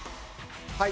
はい。